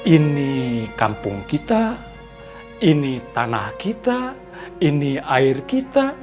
ini kampung kita ini tanah kita ini air kita